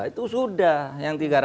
itu sudah yang tiga ratus